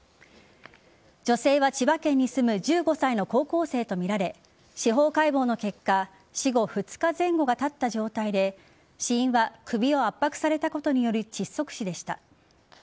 女性は千葉県に住む１５歳の高校生とみられ司法解剖の結果死後２日前後がたった状態で死因は首を圧迫されたことによる窒息死でした。